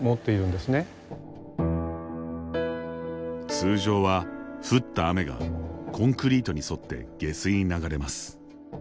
通常は、降った雨がコンクリートに沿って下水に流れます。